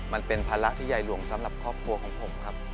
มันเป็นภาระที่ใหญ่หลวงสำหรับครอบครัวของผมครับ